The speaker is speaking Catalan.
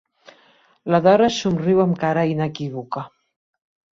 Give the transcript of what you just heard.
La Dora somriu amb cara inequívoca.